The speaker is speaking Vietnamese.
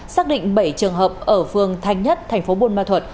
xác định bảy trường hợp ở phương thanh nhất tp bôn ma thuật